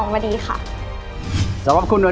โปรดติดตามต่อไป